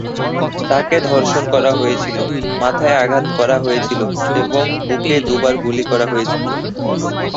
তাকে ধর্ষণ করা হয়েছিল, মাথায় আঘাত করা হয়েছিল এবং বুকে দুবার গুলি করা হয়েছিল।